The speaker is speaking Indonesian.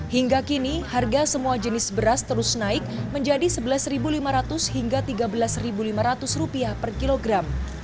hingga kini harga semua jenis beras terus naik menjadi rp sebelas lima ratus hingga rp tiga belas lima ratus per kilogram